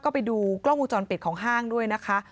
ก็ไปดูกล้องมุมจรปิดของห้างด้วย